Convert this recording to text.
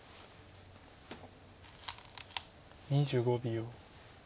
２５秒。